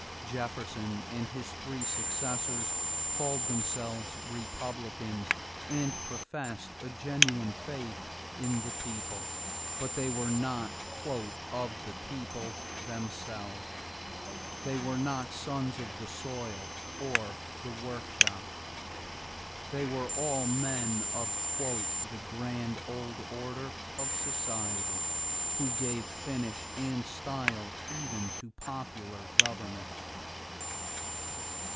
Jefferson and his three successors called themselves Republicans and professed a genuine faith in the people but they were not "of the people" themselves; they were not sons of the soil or the workshop. They were all men of "the grand old order of society" who gave finish and style even to popular government.